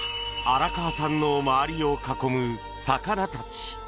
荒川さんの周りを囲む魚たち。